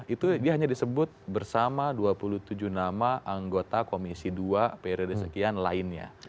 itu dia hanya disebut bersama dua puluh tujuh nama anggota komisi dua periode sekian lainnya